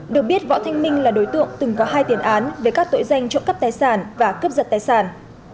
được biết võ thanh minh là đối tượng từng có hai tiền án về các tội danh trộm cắp tài sản và cướp giật tài sản